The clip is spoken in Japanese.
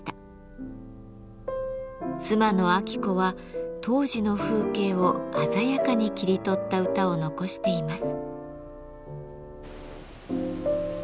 妻の晶子は当時の風景を鮮やかに切り取った歌を残しています。